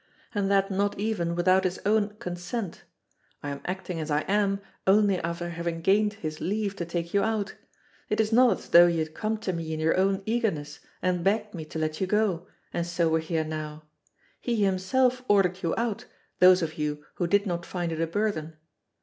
And that not even without his own consent? I am acting as I am, only after having gained his leave to take you out; it is not as though you had come to me in your own eagerness, and begged me to let you go, and so were here now; he himself ordered you out, those of you who did not find it a burthen.